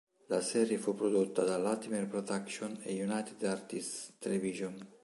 La serie fu prodotta da Latimer Productions e United Artists Television.